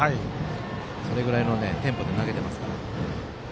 それぐらいのテンポで投げています。